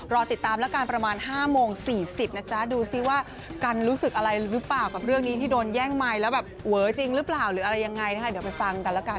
รอติดตามแล้วกันประมาณ๕โมง๔๐นะจ๊ะดูซิว่ากันรู้สึกอะไรหรือเปล่ากับเรื่องนี้ที่โดนแย่งไมค์แล้วแบบเวอจริงหรือเปล่าหรืออะไรยังไงนะคะเดี๋ยวไปฟังกันแล้วกัน